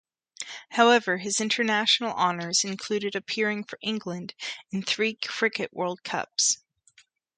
However, his international honours included appearing for England in three Cricket World Cups.